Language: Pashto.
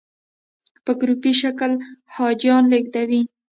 په ګروپي شکل حاجیان لېږدوي.